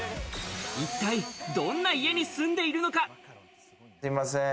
一体どんな家に住んでいるのか？